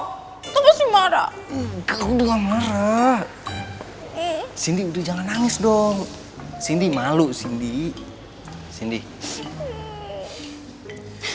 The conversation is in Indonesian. gawah kemarah gaudah marah cindy jangan nangis dong cindy malu cindy cindy